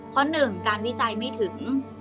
เพราะหนึ่งการวิจัยไม่ถึง